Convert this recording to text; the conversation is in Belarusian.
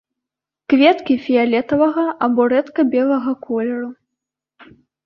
Кветкі фіялетавага або рэдка белага колеру.